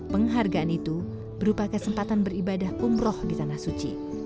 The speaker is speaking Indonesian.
penghargaan itu berupa kesempatan beribadah umroh di tanah suci